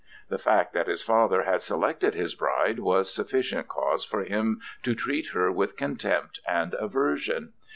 The fact that his father had selected his bride was sufficient cause for him to treat her with contempt and aversion.